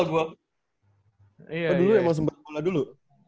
oh dulu ya langsung main bola dulu